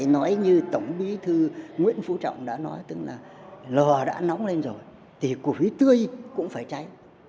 nói như tổng bí thư nguyễn phú trọng đã nói tức là lò đã nóng lên rồi thì cuộc rúy tươi cũng phải cháy